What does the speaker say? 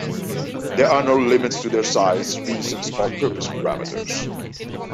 There are no limits to their size, reasons, or purpose parameters.